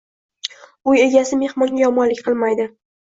Uy egasi mehmonga yomonlik qilmaydi.